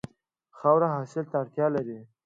خاوره حاصل ته اړتیا لري.